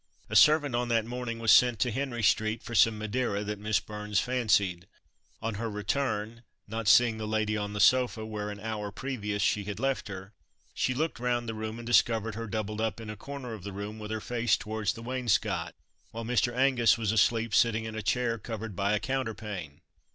A servant on that morning was sent to Henry street for some Madeira that Miss Burns fancied. On her return, not seeing the lady on the sofa, where an hour previous she had left her, she looked round the room and discovered her doubled up in a corner of the room with her face towards the wainscot, while Mr. Angus was asleep sitting in a chair covered by a counterpane.